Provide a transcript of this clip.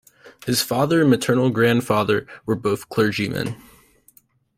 His father and maternal grandfather were both clergymen.